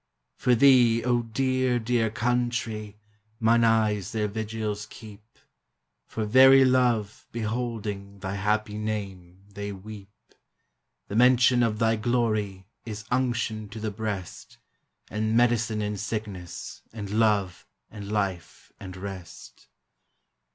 For thee, O dear, dear Country ! Mine eyes their vigils keep; For very love, beholding Thy happy name, they weep. The mention of thy glory Is unction to the breast, And medicine in sickness, And love, and life, and rest.